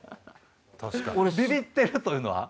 俺ビビってるというのは？